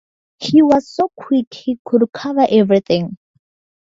He was so quick he could cover everything.